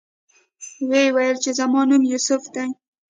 ویې ویل چې زما نوم یوسف دی.